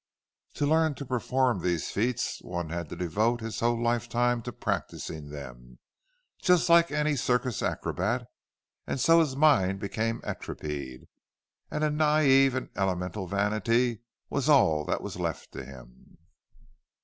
To learn to perform these feats one had to devote his whole lifetime to practising them, just like any circus acrobat; and so his mind became atrophied, and a naïve and elemental vanity was all that was left to him.